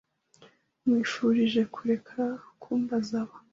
Nkwifurije kureka kumbaza aba.